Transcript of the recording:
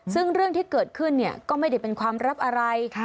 ซึ่งเรื่องที่เกิดขึ้นก็ไม่ได้เป็นความลับอะไร